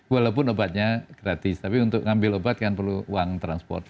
walaupun obatnya gratis tapi untuk ngambil obat kan perlu uang transport